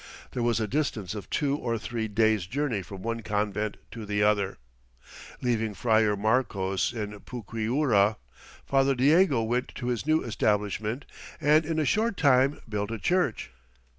There was a distance of two or three days' journey from one convent to the other. Leaving Friar Marcos in Puquiura, Friar Diego went to his new establishment, and in a short time built a church."